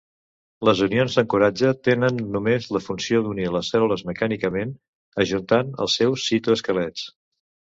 Les unions d'ancoratge tenen només la funció d'unir les cèl·lules mecànicament ajuntant els seus citoesquelets.